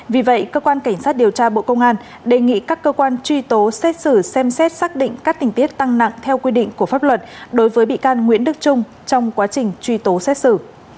vì vậy cơ quan cảnh sát điều tra bộ công an đề nghị các cơ quan truy tố xét xử xem xét xác định các tình tiết tăng nặng theo quy định của pháp luật đối với bị can nguyễn đức trung trong quá trình truy tố xét xử